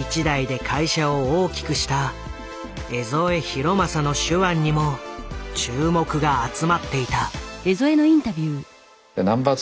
一代で会社を大きくした江副浩正の手腕にも注目が集まっていた。